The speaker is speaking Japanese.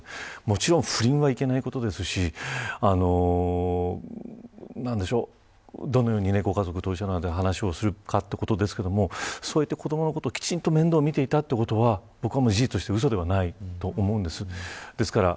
もちろん、不倫はいけないことですしどのようにご家族、当事者の間でお話をするかということですがそういった子どものことをきちんと面倒を見ていたということは事実としてうそではないと思うんです。